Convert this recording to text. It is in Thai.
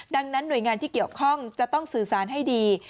ดังนั้นหน่วยงานที่เกี่ยวข้องจะต้องสื่อสารให้ดี